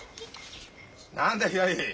何だひらり！